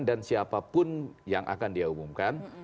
dan siapapun yang akan dia umumkan